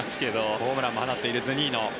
ホームランも放っているズニーノ。